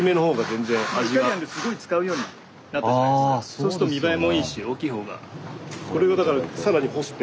そうすると見栄えもいいし大きい方が。